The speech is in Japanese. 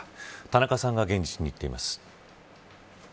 田中さんが現地に行っています。